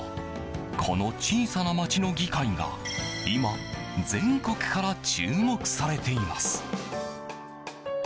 この小さな町の議会が今、全国から注目されています。